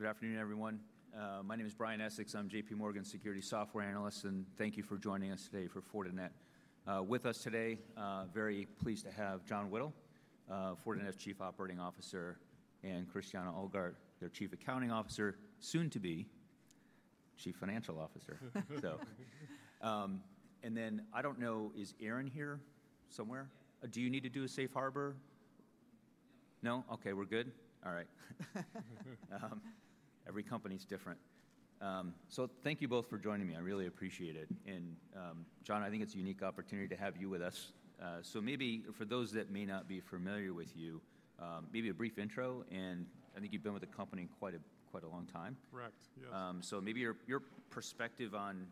Right. Good afternoon, everyone. My name is Brian Essex. I'm JPMorgan Securities Software Analyst, and thank you for joining us today for Fortinet. With us today, very pleased to have John Whittle, Fortinet's Chief Operating Officer, and Christiane Ohlgart, their Chief Accounting Officer, soon to be Chief Financial Officer. And then, I don't know, is Aaron here somewhere? Do you need to do a safe harbor? No. No? Okay, we're good? All right. Every company's different. Thank you both for joining me. I really appreciate it. John, I think it's a unique opportunity to have you with us. Maybe, for those that may not be familiar with you, maybe a brief intro. I think you've been with the company quite a long time. Correct, yes. Maybe your perspective on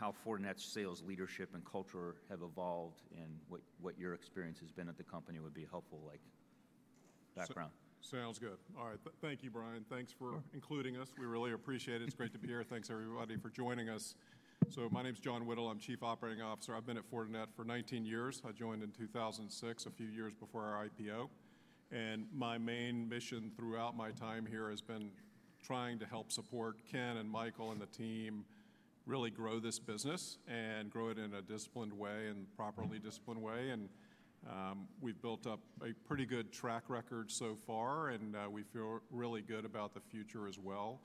how Fortinet's sales, leadership, and culture have evolved and what your experience has been at the company would be helpful, like background. Sounds good. All right, thank you, Brian. Thanks for including us. We really appreciate it. It's great to be here. Thanks, everybody, for joining us. My name's John Whittle. I'm Chief Operating Officer. I've been at Fortinet for 19 years. I joined in 2006, a few years before our IPO. My main mission throughout my time here has been trying to help support Ken and Michael and the team really grow this business and grow it in a disciplined way and properly disciplined way. We've built up a pretty good track record so far, and we feel really good about the future as well.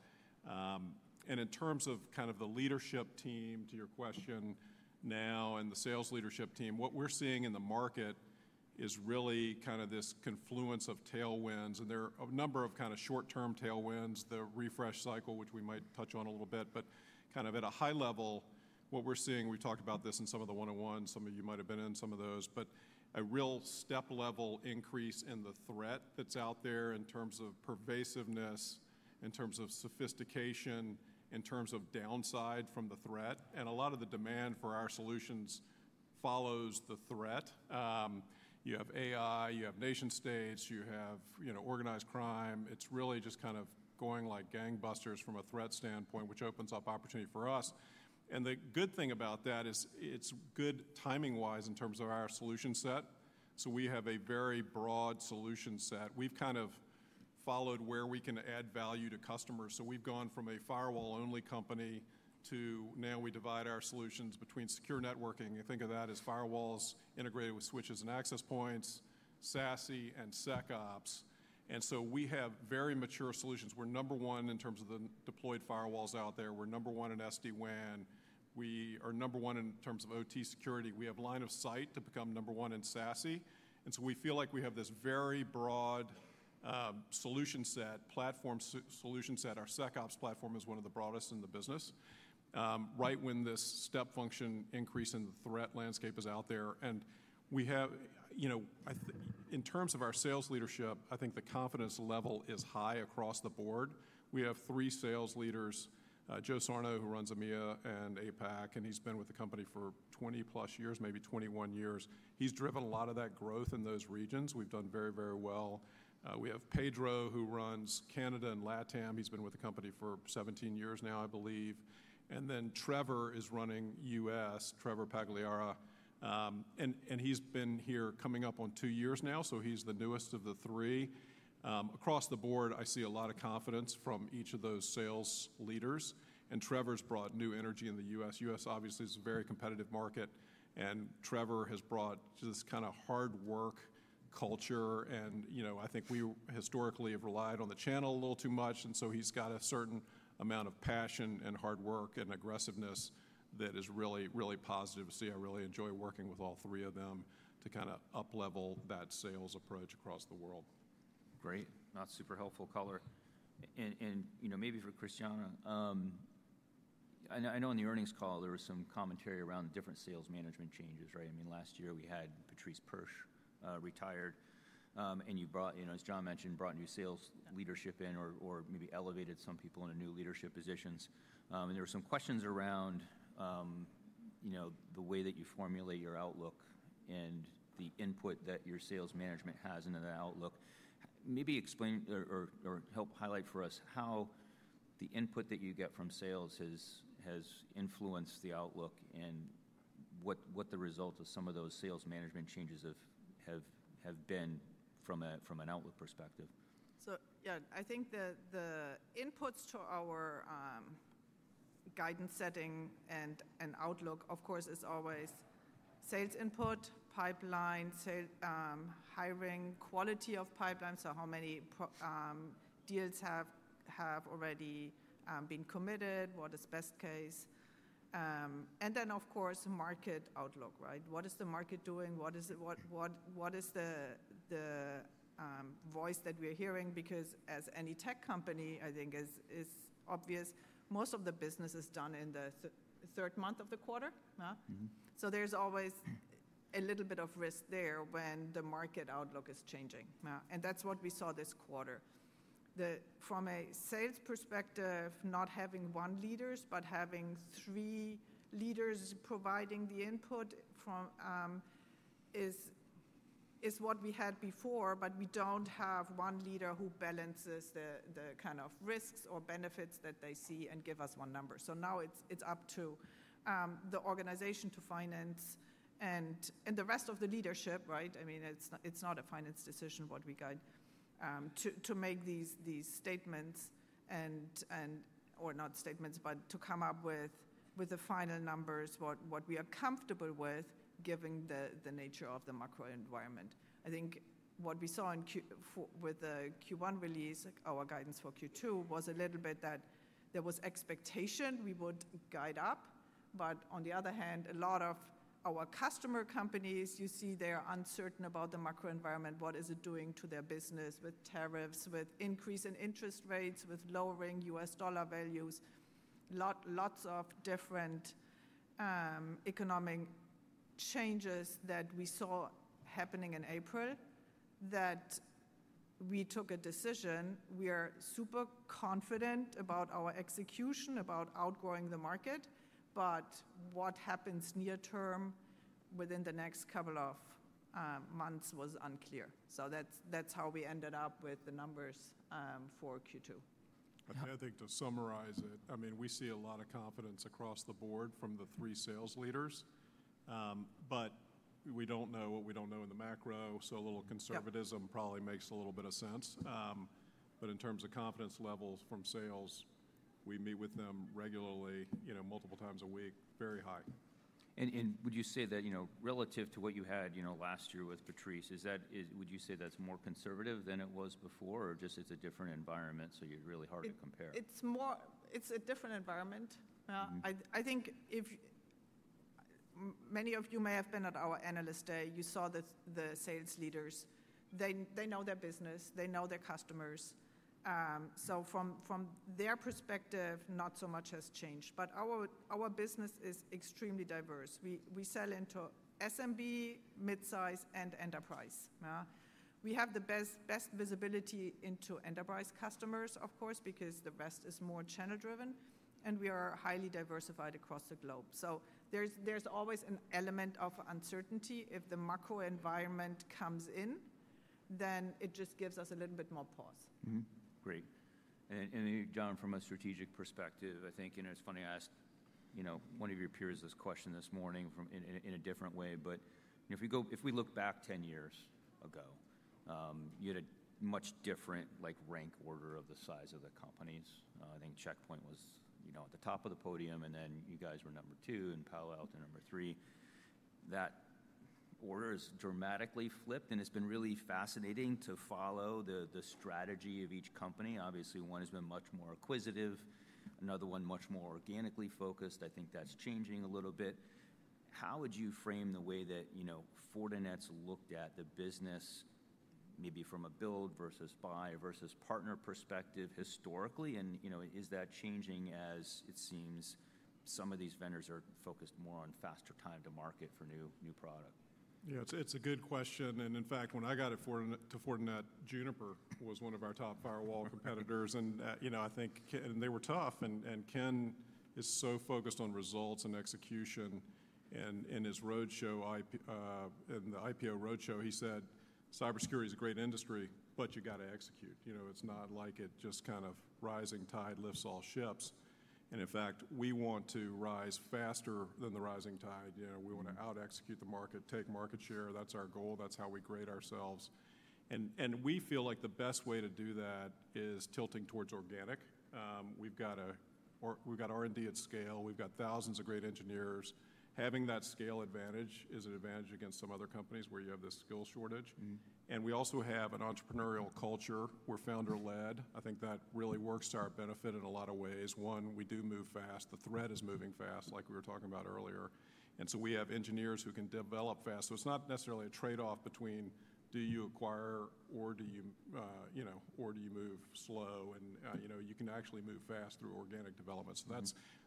In terms of kind of the leadership team, to your question, now, and the sales leadership team, what we're seeing in the market is really kind of this confluence of tailwinds. There are a number of kind of short-term tailwinds, the refresh cycle, which we might touch on a little bit. At a high level, what we're seeing, we talked about this in some of the 101s. Some of you might have been in some of those. A real step-level increase in the threat that's out there in terms of pervasiveness, in terms of sophistication, in terms of downside from the threat. A lot of the demand for our solutions follows the threat. You have AI, you have nation-states, you have organized crime. It's really just kind of going like gangbusters from a threat standpoint, which opens up opportunity for us. The good thing about that is it's good timing-wise in terms of our solution set. We have a very broad solution set. We've kind of followed where we can add value to customers. So we've gone from a firewall-only company to now we divide our solutions between secure networking. You think of that as firewalls integrated with switches and access points, SaaS, and SecOps. We have very mature solutions. We're number one in terms of the deployed firewalls out there. We're number one in SD-WAN. We are number one in terms of OT security. We have line of sight to become number one in SaaS. We feel like we have this very broad solution set, platform solution set. Our SecOps platform is one of the broadest in the business, right when this step function increase in the threat landscape is out there. In terms of our sales leadership, I think the confidence level is high across the board. We have three sales leaders: Joe Sarno, who runs EMEA and APAC, and he's been with the company for 20-plus years, maybe 21 years. He's driven a lot of that growth in those regions. We've done very, very well. We have Pedro, who runs Canada and LATAM. He's been with the company for 17 years now, I believe. Trevor is running US, Trevor Pagliara. He's been here coming up on two years now, so he's the newest of the three. Across the board, I see a lot of confidence from each of those sales leaders. Trevor's brought new energy in the US. US, obviously, is a very competitive market, and Trevor has brought this kind of hard work culture. I think we historically have relied on the channel a little too much, and so he's got a certain amount of passion and hard work and aggressiveness that is really, really positive. I really enjoy working with all three of them to kind of uplevel that sales approach across the world. Great. Not super helpful color. Maybe for Christiane, I know in the earnings call there was some commentary around different sales management changes, right? I mean, last year we had Patrice Perche retired, and you brought, as John mentioned, brought new sales leadership in or maybe elevated some people into new leadership positions. There were some questions around the way that you formulate your outlook and the input that your sales management has into the outlook. Maybe explain or help highlight for us how the input that you get from sales has influenced the outlook and what the result of some of those sales management changes have been from an outlook perspective. Yeah, I think the inputs to our guidance setting and outlook, of course, is always sales input, pipeline, hiring, quality of pipeline, so how many deals have already been committed, what is best case. Then, of course, market outlook, right? What is the market doing? What is the voice that we're hearing? Because as any tech company, I think, is obvious, most of the business is done in the third month of the quarter. There's always a little bit of risk there when the market outlook is changing. That's what we saw this quarter. From a sales perspective, not having one leader, but having three leaders providing the input is what we had before, but we do not have one leader who balances the kind of risks or benefits that they see and give us one number. Now it's up to the organization, to finance and the rest of the leadership, right? I mean, it's not a finance decision what we guide to make these statements and, or not statements, but to come up with the final numbers, what we are comfortable with, given the nature of the macro environment. I think what we saw with the Q1 release, our guidance for Q2, was a little bit that there was expectation we would guide up, but on the other hand, a lot of our customer companies, you see they're uncertain about the macro environment, what is it doing to their business with tariffs, with increase in interest rates, with lowering US dollar values, lots of different economic changes that we saw happening in April that we took a decision. We are super confident about our execution, about outgrowing the market, but what happens near term within the next couple of months was unclear. That is how we ended up with the numbers for Q2. I think to summarize it, I mean, we see a lot of confidence across the board from the three sales leaders, but we do not know what we do not know in the macro, so a little conservatism probably makes a little bit of sense. In terms of confidence levels from sales, we meet with them regularly, multiple times a week, very high. Would you say that relative to what you had last year with Patrice, would you say that's more conservative than it was before, or just it's a different environment, so you're really hard to compare? It's a different environment. I think many of you may have been at our analyst day. You saw the sales leaders. They know their business. They know their customers. From their perspective, not so much has changed. Our business is extremely diverse. We sell into SMB, mid-size, and enterprise. We have the best visibility into enterprise customers, of course, because the rest is more channel-driven, and we are highly diversified across the globe. There's always an element of uncertainty. If the macro environment comes in, it just gives us a little bit more pause. Great. John, from a strategic perspective, I think it's funny I asked one of your peers this question this morning in a different way, but if we look back 10 years ago, you had a much different rank order of the size of the companies. I think Checkpoint was at the top of the podium, and then you guys were number two and Palo Alto number three. That order has dramatically flipped, and it's been really fascinating to follow the strategy of each company. Obviously, one has been much more acquisitive. Another one, much more organically focused. I think that's changing a little bit. How would you frame the way that Fortinet's looked at the business, maybe from a build versus buy versus partner perspective historically? Is that changing as it seems some of these vendors are focused more on faster time to market for new product? Yeah, it's a good question. In fact, when I got to Fortinet, Juniper was one of our top firewall competitors. I think they were tough. Ken is so focused on results and execution and his roadshow, the IPO roadshow. He said, "Cybersecurity is a great industry, but you got to execute." It's not like it just kind of rising tide lifts all ships. In fact, we want to rise faster than the rising tide. We want to out-execute the market, take market share. That's our goal. That's how we grade ourselves. We feel like the best way to do that is tilting towards organic. We've got R&D at scale. We've got thousands of great engineers. Having that scale advantage is an advantage against some other companies where you have this skill shortage. We also have an entrepreneurial culture. We're founder-led. I think that really works to our benefit in a lot of ways. One, we do move fast. The threat is moving fast, like we were talking about earlier. We have engineers who can develop fast. It is not necessarily a trade-off between do you acquire or do you move slow. You can actually move fast through organic development.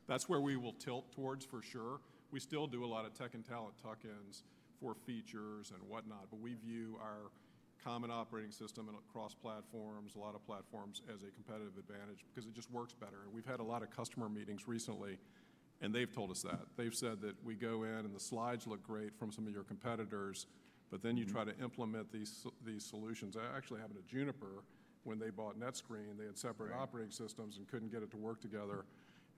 That is where we will tilt towards, for sure. We still do a lot of tech and talent tuck-ins for features and whatnot, but we view our common operating system across platforms, a lot of platforms, as a competitive advantage because it just works better. We have had a lot of customer meetings recently, and they have told us that. They have said that we go in, and the slides look great from some of your competitors, but then you try to implement these solutions. It actually happened to Juniper. When they bought NetScreen, they had separate operating systems and could not get it to work together.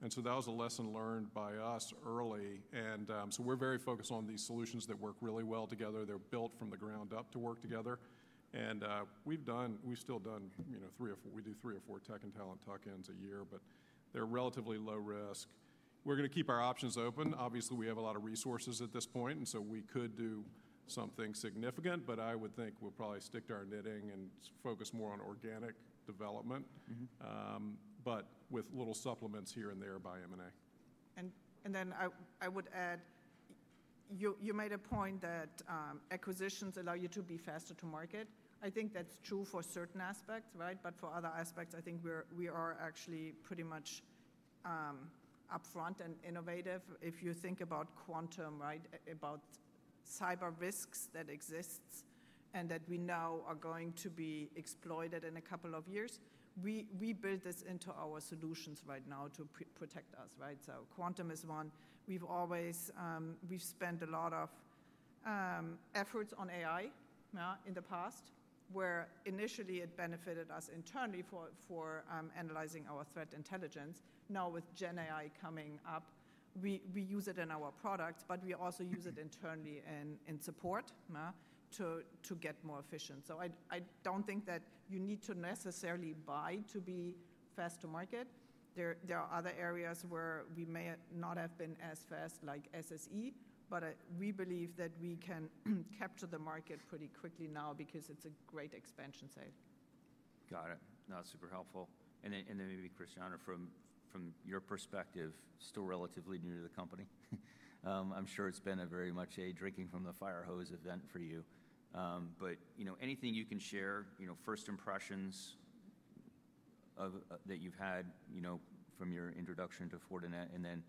That was a lesson learned by us early. We are very focused on these solutions that work really well together. They are built from the ground up to work together. We have still done three or four. We do three or four tech and talent tuck-ins a year, but they are relatively low risk. We are going to keep our options open. Obviously, we have a lot of resources at this point, and we could do something significant, but I would think we will probably stick to our knitting and focus more on organic development, but with little supplements here and there by M&A. I would add, you made a point that acquisitions allow you to be faster to market. I think that's true for certain aspects, right? For other aspects, I think we are actually pretty much upfront and innovative. If you think about quantum, right, about cyber risks that exist and that we now are going to be exploited in a couple of years, we build this into our solutions right now to protect us, right? Quantum is one. We've spent a lot of efforts on AI in the past, where initially it benefited us internally for analyzing our threat intelligence. Now, with GenAI coming up, we use it in our products, but we also use it internally in support to get more efficient. I don't think that you need to necessarily buy to be fast to market. There are other areas where we may not have been as fast, like SSE, but we believe that we can capture the market pretty quickly now because it's a great expansion site. Got it. Not super helpful. Maybe, Christiane, from your perspective, still relatively new to the company. I'm sure it's been very much a drinking from the fire hose event for you. Anything you can share, first impressions that you've had from your introduction to Fortinet, and then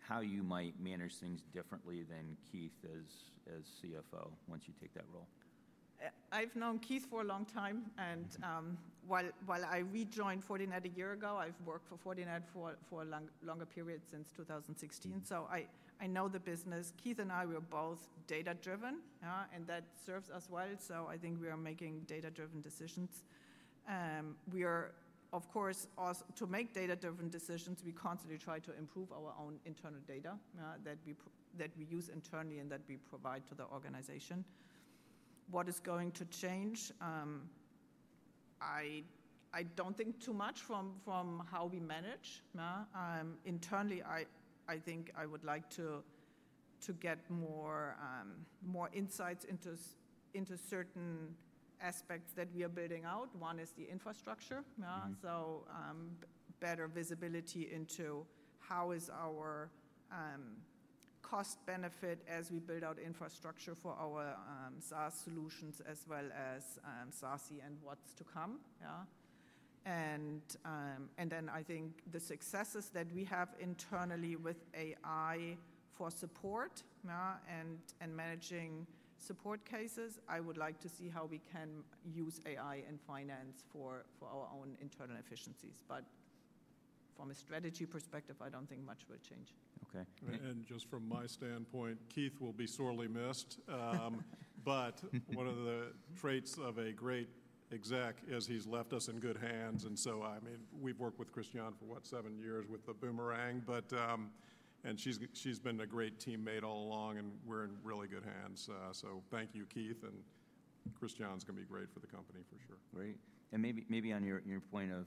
how you might manage things differently than Keith as CFO once you take that role. I've known Keith for a long time. While I rejoined Fortinet a year ago, I've worked for Fortinet for a longer period since 2016. I know the business. Keith and I, we're both data-driven, and that serves us well. I think we are making data-driven decisions. We are, of course, to make data-driven decisions, constantly trying to improve our own internal data that we use internally and that we provide to the organization. What is going to change? I don't think too much from how we manage. Internally, I think I would like to get more insights into certain aspects that we are building out. One is the infrastructure. Better visibility into how is our cost benefit as we build out infrastructure for our SaaS solutions as well as SaaS and what's to come. I think the successes that we have internally with AI for support and managing support cases, I would like to see how we can use AI in finance for our own internal efficiencies. From a strategy perspective, I do not think much will change. Just from my standpoint, Keith will be sorely missed. One of the traits of a great exec is he's left us in good hands. I mean, we've worked with Christiane for, what, seven years with the boomerang. She's been a great teammate all along, and we're in really good hands. Thank you, Keith. Christiane's going to be great for the company, for sure. Great. Maybe on your point of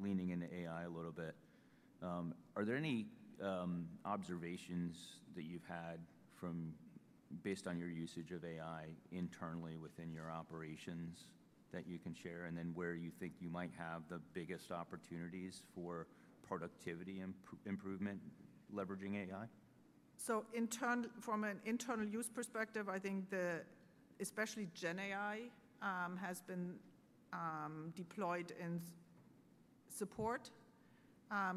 leaning into AI a little bit, are there any observations that you've had based on your usage of AI internally within your operations that you can share? Where do you think you might have the biggest opportunities for productivity improvement leveraging AI? From an internal use perspective, I think especially GenAI has been deployed in support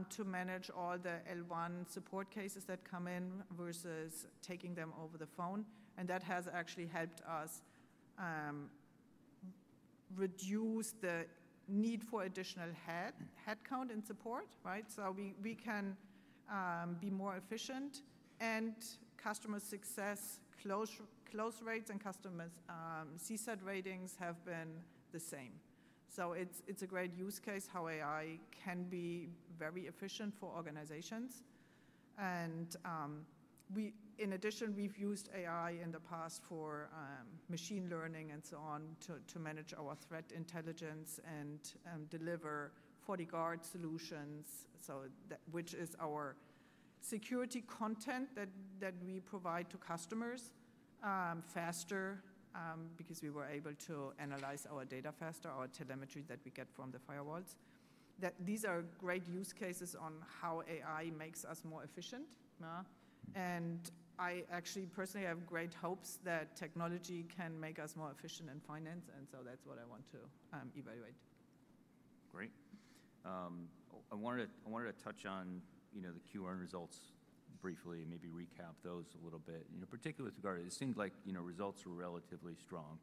to manage all the L1 support cases that come in versus taking them over the phone. That has actually helped us reduce the need for additional headcount in support, right? We can be more efficient. Customer success close rates and customer CSAT ratings have been the same. It is a great use case how AI can be very efficient for organizations. In addition, we have used AI in the past for machine learning and so on to manage our threat intelligence and deliver FortiGuard solutions, which is our security content that we provide to customers faster because we were able to analyze our data faster, our telemetry that we get from the firewalls. These are great use cases on how AI makes us more efficient. I actually personally have great hopes that technology can make us more efficient in finance. That is what I want to evaluate. Great. I wanted to touch on the Q1 results briefly and maybe recap those a little bit, particularly with regard to it seemed like results were relatively strong.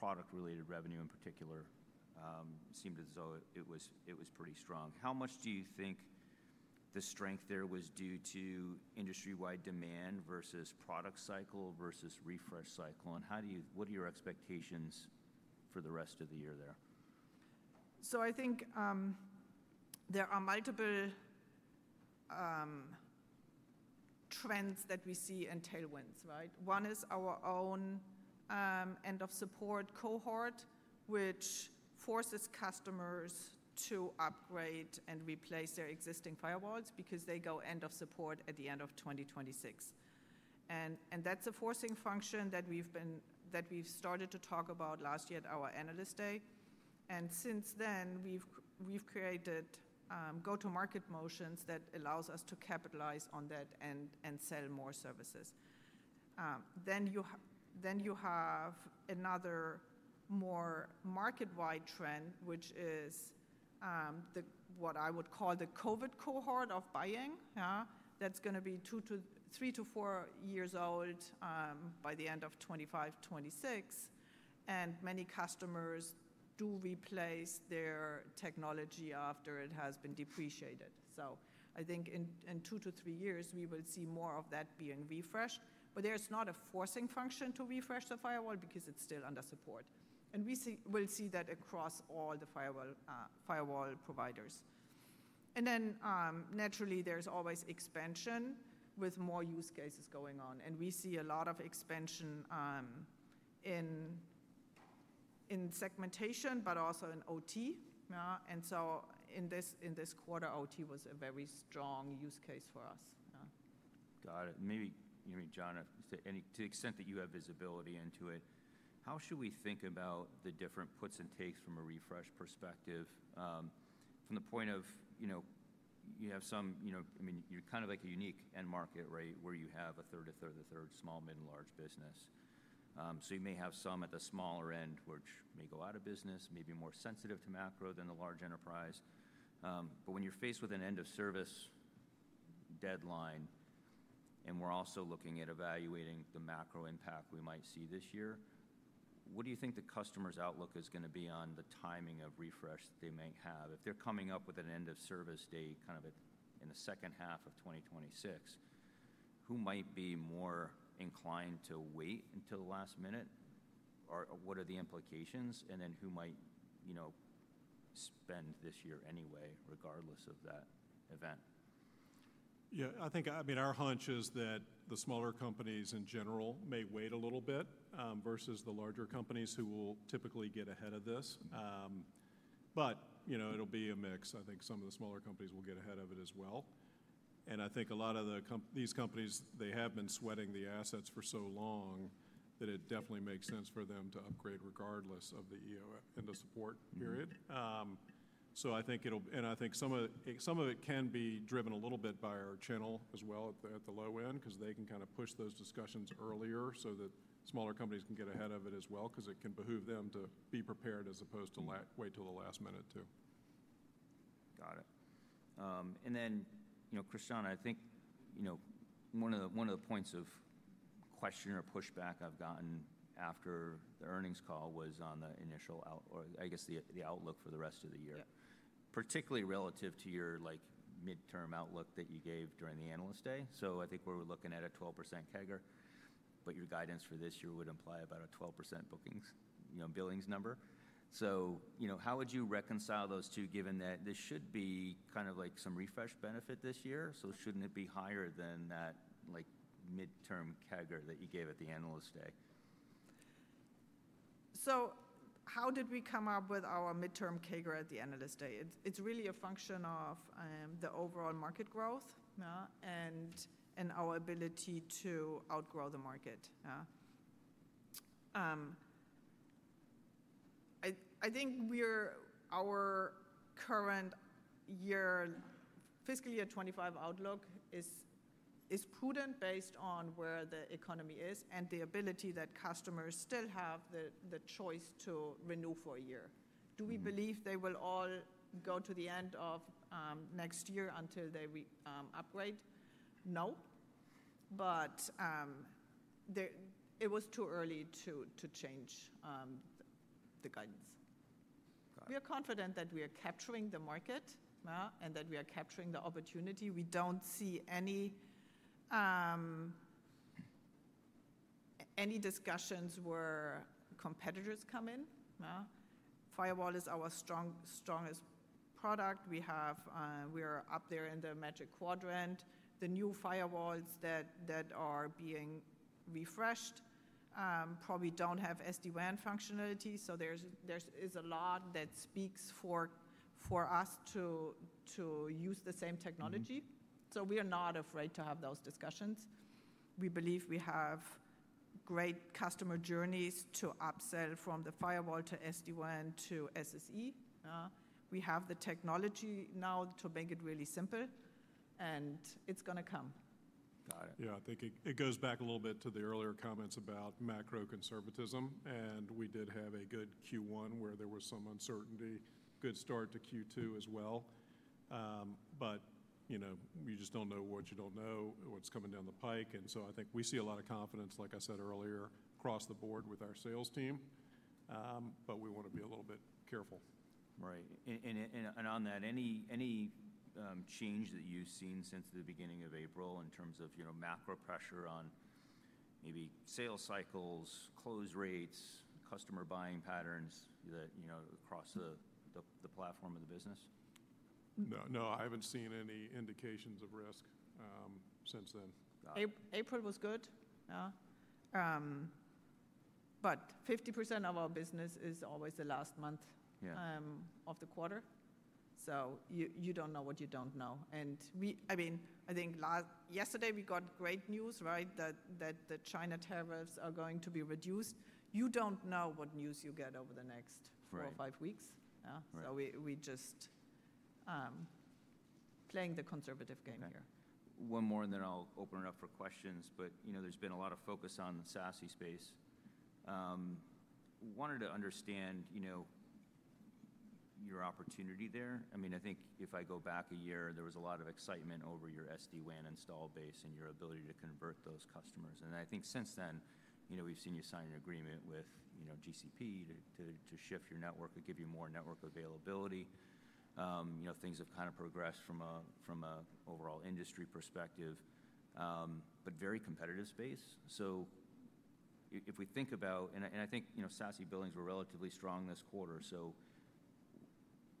Product-related revenue in particular seemed as though it was pretty strong. How much do you think the strength there was due to industry-wide demand versus product cycle versus refresh cycle? What are your expectations for the rest of the year there? I think there are multiple trends that we see in tailwinds, right? One is our own end-of-support cohort, which forces customers to upgrade and replace their existing firewalls because they go end-of-support at the end of 2026. That is a forcing function that we started to talk about last year at our analyst day. Since then, we have created go-to-market motions that allow us to capitalize on that and sell more services. You have another more market-wide trend, which is what I would call the COVID cohort of buying that is going to be three to four years old by the end of 2025, 2026. Many customers do replace their technology after it has been depreciated. I think in two to three years, we will see more of that being refreshed. There is not a forcing function to refresh the firewall because it is still under support. We will see that across all the firewall providers. Naturally, there's always expansion with more use cases going on. We see a lot of expansion in segmentation, but also in OT. In this quarter, OT was a very strong use case for us. Got it. Maybe John, to the extent that you have visibility into it, how should we think about the different puts and takes from a refresh perspective? From the point of you have some, I mean, you're kind of like a unique end market, right, where you have a third, a third, a third, small, mid, and large business. You may have some at the smaller end, which may go out of business, maybe more sensitive to macro than the large enterprise. When you're faced with an end-of-service deadline and we're also looking at evaluating the macro impact we might see this year, what do you think the customer's outlook is going to be on the timing of refresh that they might have? If they're coming up with an end-of-service date kind of in the second half of 2026, who might be more inclined to wait until the last minute? What are the implications? Who might spend this year anyway, regardless of that event? Yeah, I think, I mean, our hunch is that the smaller companies in general may wait a little bit versus the larger companies who will typically get ahead of this. It'll be a mix. I think some of the smaller companies will get ahead of it as well. I think a lot of these companies, they have been sweating the assets for so long that it definitely makes sense for them to upgrade regardless of the end-of-support period. I think it'll, and I think some of it can be driven a little bit by our channel as well at the low end because they can kind of push those discussions earlier so that smaller companies can get ahead of it as well because it can behoove them to be prepared as opposed to wait till the last minute too. Got it. And then Christiane, I think one of the points of question or pushback I've gotten after the earnings call was on the initial, or I guess the outlook for the rest of the year, particularly relative to your midterm outlook that you gave during the analyst day. So I think we were looking at a 12% CAGR, but your guidance for this year would imply about a 12% billings number. How would you reconcile those two given that this should be kind of like some refresh benefit this year? Shouldn't it be higher than that midterm CAGR that you gave at the analyst day? How did we come up with our midterm CAGR at the analyst day? It's really a function of the overall market growth and our ability to outgrow the market. I think our current year, fiscal year 2025 outlook is prudent based on where the economy is and the ability that customers still have the choice to renew for a year. Do we believe they will all go to the end of next year until they upgrade? No. It was too early to change the guidance. We are confident that we are capturing the market and that we are capturing the opportunity. We do not see any discussions where competitors come in. Firewall is our strongest product. We are up there in the magic quadrant. The new firewalls that are being refreshed probably do not have SD-WAN functionality. There is a lot that speaks for us to use the same technology. We are not afraid to have those discussions. We believe we have great customer journeys to upsell from the firewall to SD-WAN to SSE. We have the technology now to make it really simple, and it's going to come. Yeah, I think it goes back a little bit to the earlier comments about macro conservatism. We did have a good Q1 where there was some uncertainty. Good start to Q2 as well. You just do not know what you do not know, what is coming down the pike. I think we see a lot of confidence, like I said earlier, across the board with our sales team. We want to be a little bit careful. Right. On that, any change that you've seen since the beginning of April in terms of macro pressure on maybe sales cycles, close rates, customer buying patterns across the platform of the business? No, I haven't seen any indications of risk since then. April was good. 50% of our business is always the last month of the quarter. You do not know what you do not know. I mean, I think yesterday we got great news, right, that the China tariffs are going to be reduced. You do not know what news you get over the next four or five weeks. We are just playing the conservative game here. One more, and then I'll open it up for questions. There's been a lot of focus on the SaaS space. Wanted to understand your opportunity there. I mean, I think if I go back a year, there was a lot of excitement over your SD-WAN install base and your ability to convert those customers. I think since then, we've seen you sign an agreement with GCP to shift your network, to give you more network availability. Things have kind of progressed from an overall industry perspective, very competitive space. If we think about, and I think SaaS billings were relatively strong this quarter.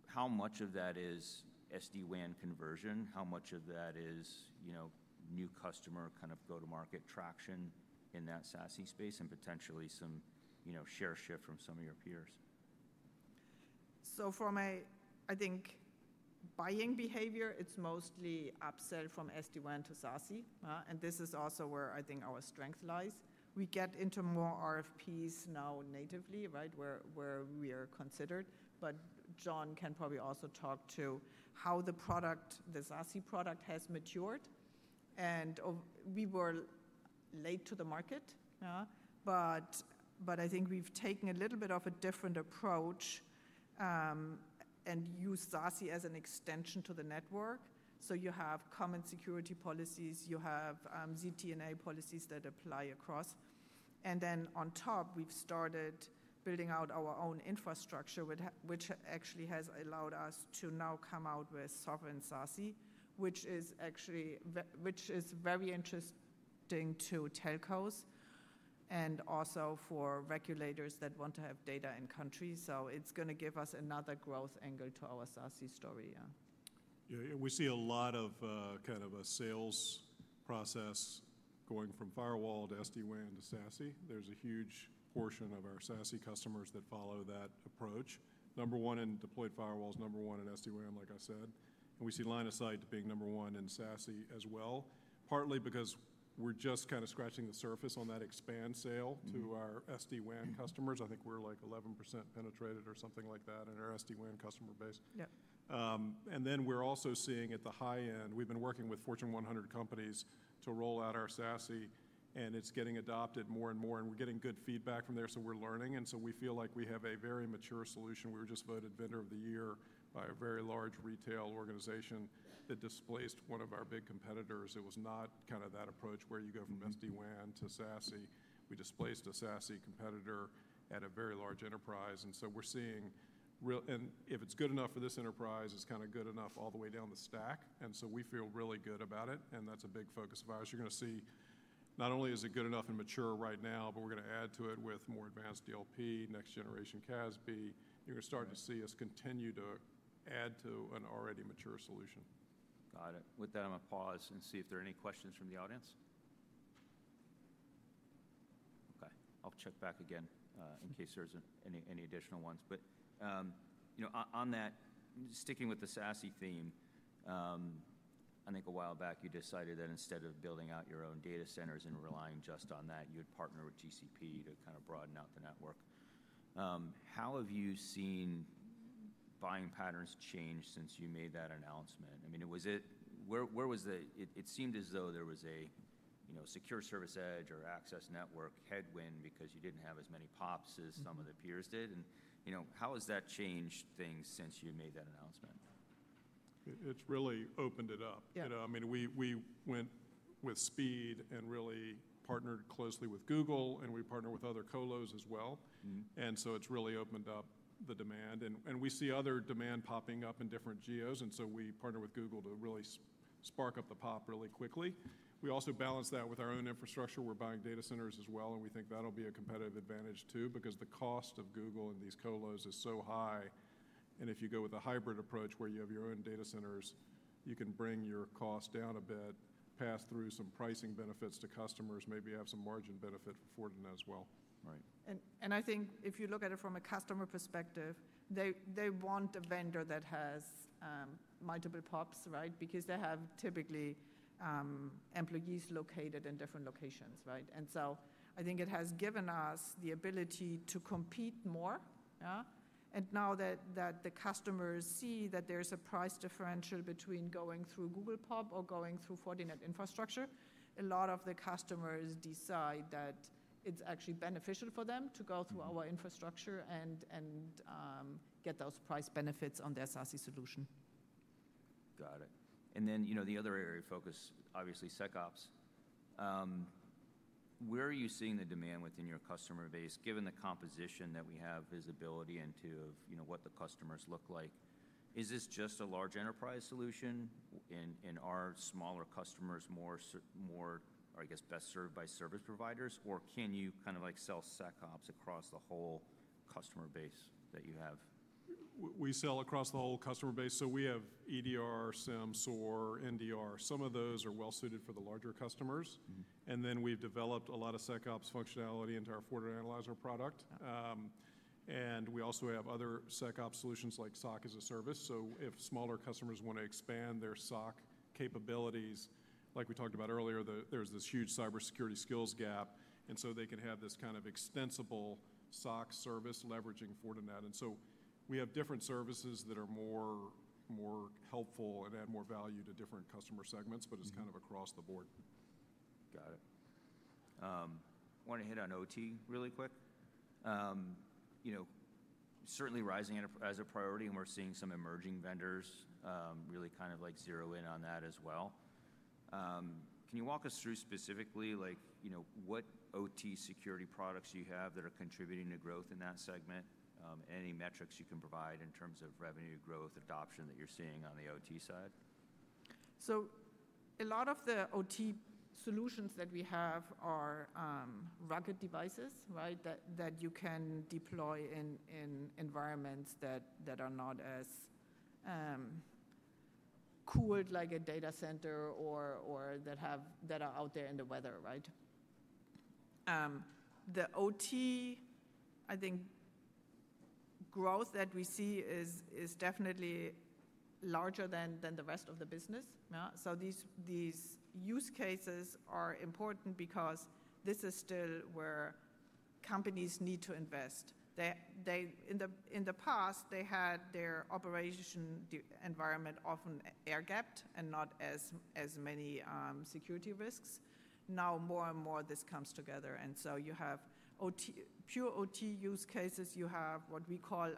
How much of that is SD-WAN conversion? How much of that is new customer kind of go-to-market traction in that SaaS space and potentially some share shift from some of your peers? From a, I think, buying behavior, it's mostly upsell from SD-WAN to SaaS. This is also where I think our strength lies. We get into more RFPs now natively, right, where we are considered. John can probably also talk to how the SaaS product has matured. We were late to the market, but I think we've taken a little bit of a different approach and used SaaS as an extension to the network. You have common security policies. You have ZTNA policies that apply across. On top, we've started building out our own infrastructure, which actually has allowed us to now come out with sovereign SaaS, which is very interesting to telcos and also for regulators that want to have data in country. It's going to give us another growth angle to our SaaS story. Yeah, we see a lot of kind of a sales process going from firewall to SD-WAN to SaaS. There's a huge portion of our SaaS customers that follow that approach. Number one in deployed firewalls, number one in SD-WAN, like I said. We see line of sight being number one in SaaS as well, partly because we're just kind of scratching the surface on that expand sale to our SD-WAN customers. I think we're like 11% penetrated or something like that in our SD-WAN customer base. We're also seeing at the high end, we've been working with Fortune 100 companies to roll out our SaaS, and it's getting adopted more and more. We're getting good feedback from there. We're learning. We feel like we have a very mature solution. We were just voted vendor of the year by a very large retail organization that displaced one of our big competitors. It was not kind of that approach where you go from SD-WAN to SaaS. We displaced a SaaS competitor at a very large enterprise. If it's good enough for this enterprise, it's kind of good enough all the way down the stack. We feel really good about it. That's a big focus of ours. You're going to see not only is it good enough and mature right now, but we're going to add to it with more advanced DLP, next-generation CASB. You're going to start to see us continue to add to an already mature solution. Got it. With that, I'm going to pause and see if there are any questions from the audience. Okay. I'll check back again in case there's any additional ones. On that, sticking with the SaaS theme, I think a while back you decided that instead of building out your own data centers and relying just on that, you'd partner with GCP to kind of broaden out the network. How have you seen buying patterns change since you made that announcement? I mean, where was the, it seemed as though there was a secure service edge or access network headwind because you didn't have as many pops as some of the peers did. How has that changed things since you made that announcement? It's really opened it up. I mean, we went with speed and really partnered closely with Google, and we partnered with other colos as well. It's really opened up the demand. We see other demand popping up in different geos. We partnered with Google to really spark up the pop really quickly. We also balance that with our own infrastructure. We're buying data centers as well. We think that'll be a competitive advantage too because the cost of Google and these colos is so high. If you go with a hybrid approach where you have your own data centers, you can bring your cost down a bit, pass through some pricing benefits to customers, maybe have some margin benefit for Fortinet as well. I think if you look at it from a customer perspective, they want a vendor that has multiple POPs, right, because they have typically employees located in different locations, right? I think it has given us the ability to compete more. Now that the customers see that there's a price differential between going through Google POP or going through Fortinet infrastructure, a lot of the customers decide that it's actually beneficial for them to go through our infrastructure and get those price benefits on their SaaS solution. Got it. The other area of focus, obviously SecOps. Where are you seeing the demand within your customer base given the composition that we have visibility into of what the customers look like? Is this just a large enterprise solution and are smaller customers more, I guess, best served by service providers? Or can you kind of like sell SecOps across the whole customer base that you have? We sell across the whole customer base. We have EDR, SIEM, SOAR, NDR. Some of those are well suited for the larger customers. We have developed a lot of SecOps functionality into our FortiAnalyzer product. We also have other SecOps solutions like SOC as a service. If smaller customers want to expand their SOC capabilities, like we talked about earlier, there is this huge cybersecurity skills gap. They can have this kind of extensible SOC service leveraging Fortinet. We have different services that are more helpful and add more value to different customer segments, but it is kind of across the board. Got it. I want to hit on OT really quick. Certainly rising as a priority and we're seeing some emerging vendors really kind of like zero in on that as well. Can you walk us through specifically what OT security products you have that are contributing to growth in that segment? Any metrics you can provide in terms of revenue growth adoption that you're seeing on the OT side? A lot of the OT solutions that we have are rugged devices that you can deploy in environments that are not as cooled like a data center or that are out there in the weather, right? The OT, I think growth that we see is definitely larger than the rest of the business. These use cases are important because this is still where companies need to invest. In the past, they had their operation environment often air-gapped and not as many security risks. Now more and more this comes together. You have pure OT use cases. You have what we call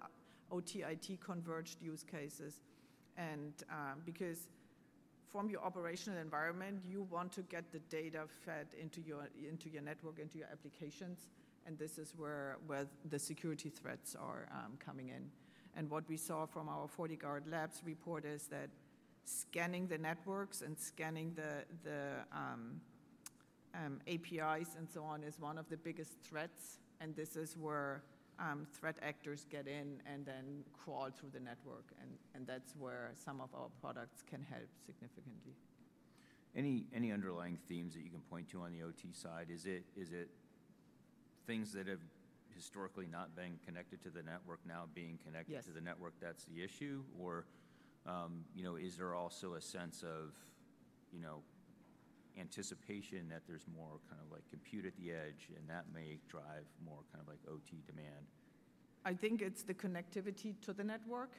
OT-IT converged use cases. Because from your operational environment, you want to get the data fed into your network, into your applications. This is where the security threats are coming in. What we saw from our FortiGuard Labs report is that scanning the networks and scanning the APIs and so on is one of the biggest threats. This is where threat actors get in and then crawl through the network. That's where some of our products can help significantly. Any underlying themes that you can point to on the OT side? Is it things that have historically not been connected to the network now being connected to the network? That is the issue? Or is there also a sense of anticipation that there is more kind of like compute at the edge and that may drive more kind of like OT demand? I think it's the connectivity to the network.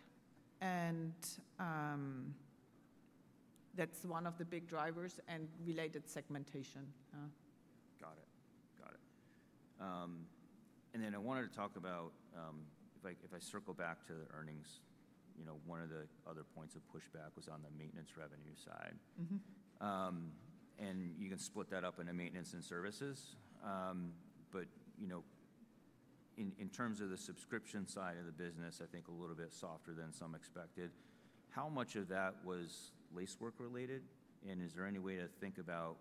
That's one of the big drivers and related segmentation. Got it. Got it. I wanted to talk about, if I circle back to the earnings, one of the other points of pushback was on the maintenance revenue side. You can split that up into maintenance and services. In terms of the subscription side of the business, I think a little bit softer than some expected. How much of that was Lacework-related? Is there any way to think about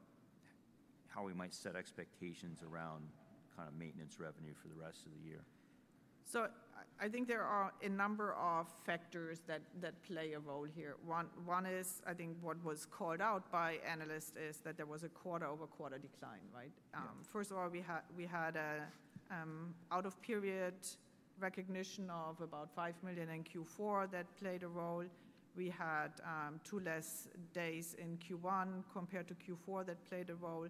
how we might set expectations around kind of maintenance revenue for the rest of the year? I think there are a number of factors that play a role here. One is, I think what was called out by analysts is that there was a quarter-over-quarter decline, right? First of all, we had an out-of-period recognition of about $5 million in Q4 that played a role. We had two less days in Q1 compared to Q4 that played a role.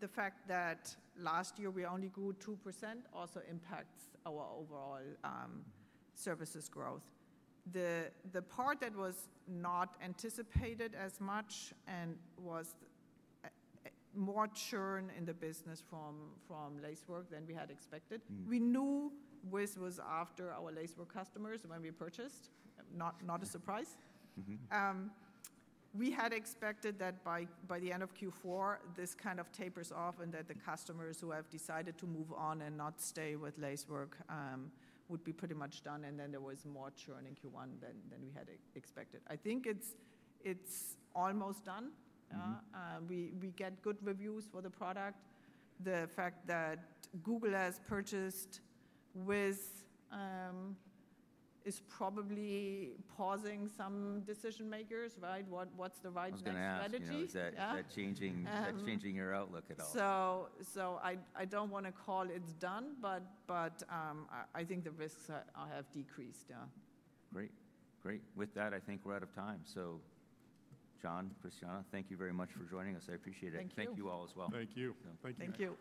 The fact that last year we only grew 2% also impacts our overall services growth. The part that was not anticipated as much was more churn in the business from Lacework than we had expected. We knew this was after our Lacework customers when we purchased, not a surprise. We had expected that by the end of Q4, this kind of tapers off and that the customers who have decided to move on and not stay with Lacework would be pretty much done. There was more churn in Q1 than we had expected. I think it's almost done. We get good reviews for the product. The fact that Google has purchased Lacework is probably pausing some decision makers, right? What's the right next strategy? What's going to happen? That's changing your outlook at all. I do not want to call it done, but I think the risks have decreased. Great. Great. With that, I think we're out of time. So John, Christiane, thank you very much for joining us. I appreciate it. Thank you all as well. Thank you. Thank you.